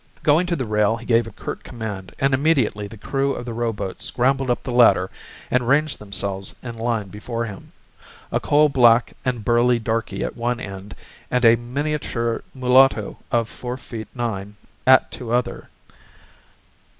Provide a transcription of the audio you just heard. Going to the rail be gave a curt command and immediately the crew of the rowboat scrambled up the ladder and ranged themselves in line before him, a coal black and burly darky at one end and a miniature mulatto of four feet nine at to other.